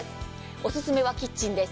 おすすめはキッチンです。